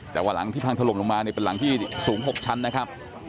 แต่ว่าหลังที่พังถล่มลงมันเป็นหลังที่สูงขวางศึกนิดนึง